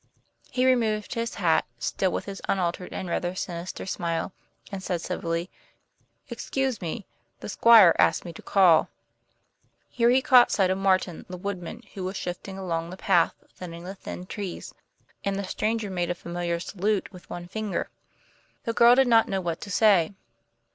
He removed his hat, still with his unaltered and rather sinister smile, and said civilly: "Excuse me. The Squire asked me to call." Here he caught sight of Martin, the woodman, who was shifting along the path, thinning the thin trees; and the stranger made a familiar salute with one finger. The girl did not know what to say.